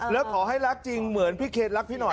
แล้วขอให้รักจริงเหมือนพี่เคนรักพี่หน่อย